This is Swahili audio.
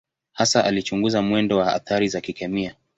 Hasa alichunguza mwendo wa athari za kikemia.